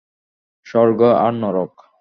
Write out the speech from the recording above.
স্বর্গ আর নরক।